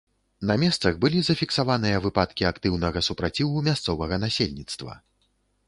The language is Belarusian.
На месцах былі зафіксаваныя выпадкі актыўнага супраціву мясцовага насельніцтва.